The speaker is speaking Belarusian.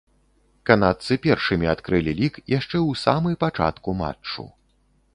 Канадцы першымі адкрылі лік яшчэ ў самы пачатку матчу.